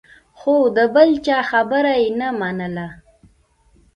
خو د بل چا خبره یې نه منله.